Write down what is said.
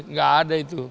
enggak ada itu